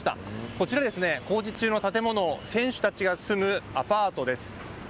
こちら、工事中の建物、選手たちが住むアパートです。